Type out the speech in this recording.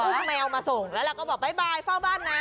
แม่ก็จะอุ้มแมวมาส่งแล้วเราก็บอกบ๊ายบายเฝ้าบ้านนะ